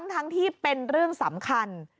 ทั้งที่เป็นเรื่องสำคัญ